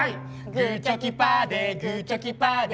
「グーチョキパーでグーチョキパーで」